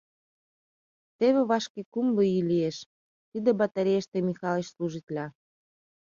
Теве вашке кумло ий лиеш, тиде батарейыште Михалыч служитла.